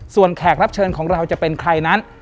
ส่วนแขกรับเชิญของเราจะเป็นใครนั้น